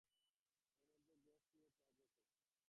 এর মধ্যে grace period পাঁচ বছর।